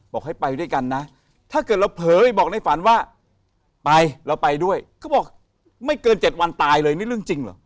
บอกให้ไปด้วยกันนะถ้าเกิดเราเผยบอกในฝันว่าไปเราไปด้วยเขาบอกไม่เกิน๗วันตายเลยนี่เรื่องจริงเหรอ